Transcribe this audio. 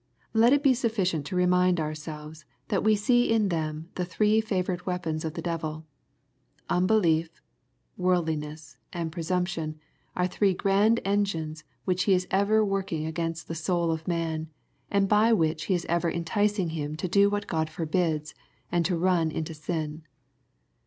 Let it be sufficient to remind ourselves, that we see in them the three favorite weapons of the devil. Unbe lief, w orldlin ess, and presumption are three grand engines which he is ever working against the soul of man, and by which he is ever enticing him to do what God forbids, and to run into Bin.